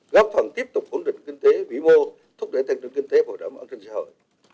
góp phần tiếp tục ổn định kinh tế vĩ mô thúc đẩy tăng trưởng kinh tế bảo đảm an sinh xã hội